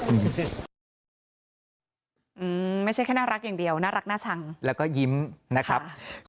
ไม่ใช่แค่น่ารักอย่างเดียวน่ารักน่าชังแล้วก็ยิ้มนะครับ